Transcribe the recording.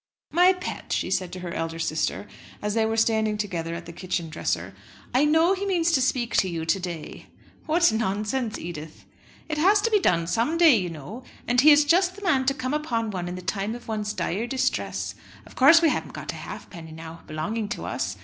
"My pet," she said to her elder sister, as they were standing together at the kitchen dresser, "I know he means to speak to you to day." "What nonsense, Edith!" "It has to be done some day, you know. And he is just the man to come upon one in the time of one's dire distress. Of course we haven't got a halfpenny now belonging to us.